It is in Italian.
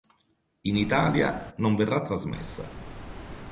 In Italia non verrà trasmessa.